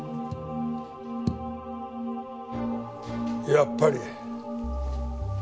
やっぱり。